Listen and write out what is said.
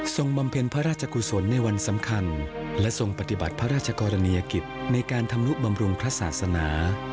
บำเพ็ญพระราชกุศลในวันสำคัญและทรงปฏิบัติพระราชกรณียกิจในการทำนุบำรุงพระศาสนา